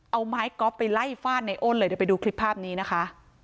เอาไม้ก๊อฟไปไล่ฟาดในอ้นเลยเดี๋ยวไปดูคลิปภาพนี้นะคะ